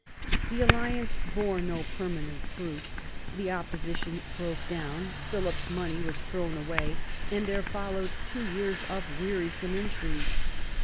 The alliance bore no permanent fruit. The opposition broke down, Philip's money was thrown away, and there followed two years of wearisome intrigue.